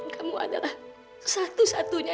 kamu adalah satu satunya